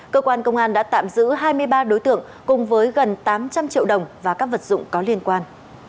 cơ quan công an đã tạm giữ hai mươi ba đối tượng cùng với gần tám trăm linh triệu đồng và các vật dụng có liên quan